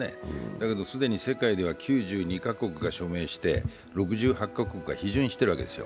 だけど、既に世界では９２か国が署名して６８か国が批准しているんです。